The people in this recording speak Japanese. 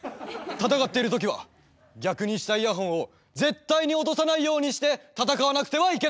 戦っているときは逆にしたイヤホンを絶対に落とさないようにして戦わなくてはいけない！